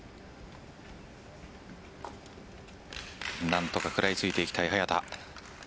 なんとか食らい付いていきたい早田。